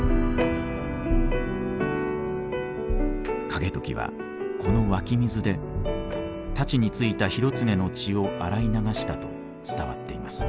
景時はこの湧き水で太刀についた広常の血を洗い流したと伝わっています。